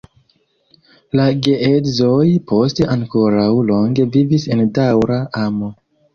La geedzoj poste ankoraŭ longe vivis en daŭra amo.